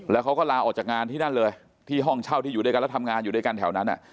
แล้วเขาก็ลาออกจากงานที่นั่นเลยที่ห้องเช่าที่อยู่ด้วยกันแล้วทำงานอยู่ด้วยกันแถวนั้น